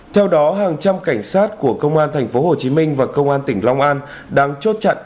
theo đó hàng trăm cảnh sát của công an tp hcm và công an tỉnh long an đang chốt chặn